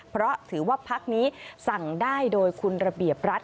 เพราะถือว่าพักนี้สั่งได้โดยคุณระเบียบรัฐ